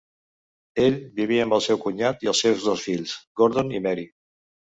Ell vivia amb el seu cunyat i els seus dos fills, Gordon i Mary.